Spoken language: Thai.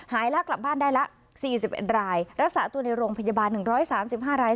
กลับบ้านได้ละ๔๑รายรักษาตัวในโรงพยาบาล๑๓๕ราย